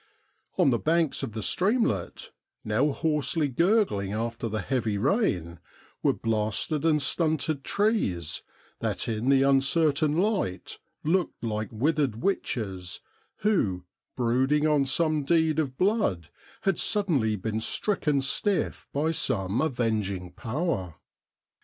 On the banks of the streamlet, now hoarsely gurgling after the heavy rain, were blasted and stunted trees that in the uncertain light looked like withered witches, who, brooding on some deed of blood, had suddenly been stricken stiff by some avenging power.